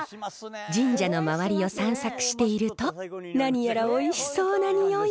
神社の周りを散策していると何やらおいしそうな匂いが。